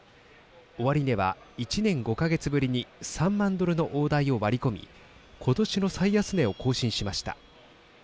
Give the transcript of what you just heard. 終値は１年５か月ぶりに３万ドルの大台を割り込みことしの最安値を更新しました。